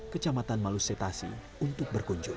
kecamatan malus setasi untuk berkunjung